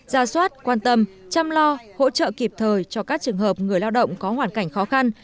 ra soát quan tâm chăm lo hỗ trợ kịp thời cho các trường hợp người lao động có hoàn cảnh khó khăn